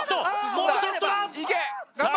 もうちょっとださあ